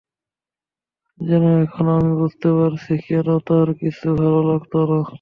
যেন এখন আমি বুঝতে পারছি, কেন তাঁর কিছু ভালো লাগত না।